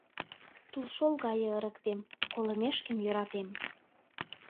Тулшол гае ырыктем, колымешкем йӧратем.